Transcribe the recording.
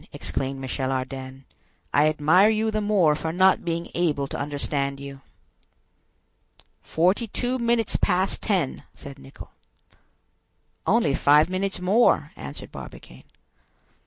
exclaimed Michel Ardan; "I admire you the more for not being able to understand you." "Forty two minutes past ten!" said Nicholl. "Only five minutes more!" answered Barbicane.